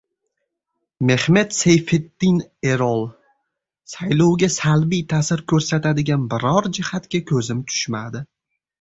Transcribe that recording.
Mehmet Seyfetdin Erol: Saylovga salbiy ta’sir ko‘rsatadigan biror jihatga ko‘zim tushmadi